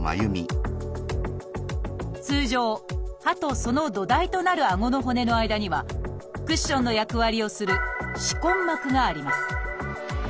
通常歯とその土台となるあごの骨の間にはクッションの役割をする「歯根膜」があります。